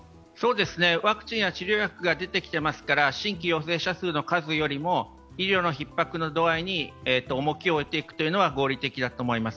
ワクチンや治療薬が出てきてますから新規陽性者数の数よりも医療のひっ迫の度合いに重きを置いていくというのは合理的だと思います。